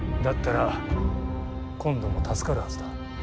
だったら今度も助かるはずだ。